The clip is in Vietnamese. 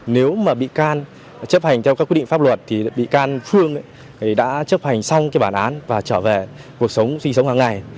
nếu mà bị can chấp hành theo các quy định pháp luật thì bị can phương đã chấp hành xong bản án và trở về cuộc sống sinh sống hàng ngày